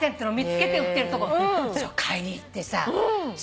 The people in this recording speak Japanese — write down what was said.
買いに行ってさ